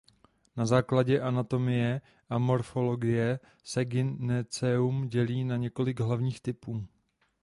Na základě anatomie a morfologie se gyneceum dělí na několik hlavních typů.